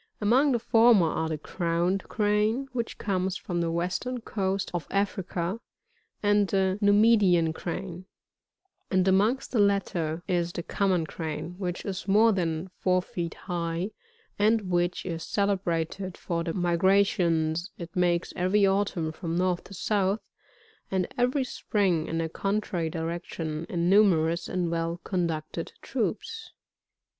Among the former are the Crowned Crane, which comes from the western coast of Africa, and the Numidian Crane ; and amongst the latter is the Common Crane, which is more than four feet high ; and which is celebrated for the migrations it makes every autumn from* north to south, and every spring in a contrary direction, in! numerous and well conducted troops.